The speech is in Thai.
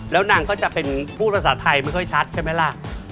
แล้วนางก็จะเป็นพูดภาษาไทยไม่ค่อยชัดใช่ไหมล่ะ